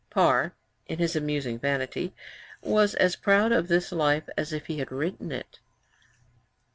Parr, in his amusing vanity, was as proud of this Life as if he had written it.